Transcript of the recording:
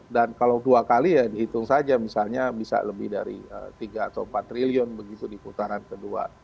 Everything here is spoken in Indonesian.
dan kalau dua kali ya dihitung saja misalnya bisa lebih dari tiga atau empat triliun begitu di putaran kedua